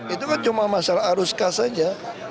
itu kan cuma masalah arus kas saja